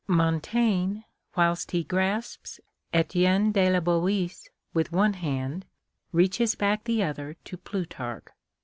Montaigne, wliilst he grasps Etienne de la Boece with one hand, reaches back the other to Plutarch.